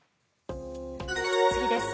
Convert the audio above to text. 次です。